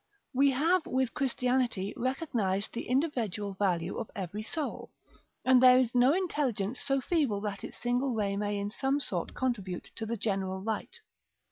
We have, with Christianity, recognised the individual value of every soul; and there is no intelligence so feeble but that its single ray may in some sort contribute to the general light.